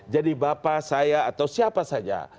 jadi bapak saya atau siapa saja